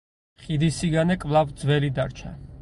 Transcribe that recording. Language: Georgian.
ხიდის სიგანე კვლავ ძველი დარჩა.